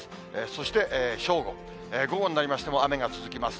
そして正午、午後になりましても、雨が続きます。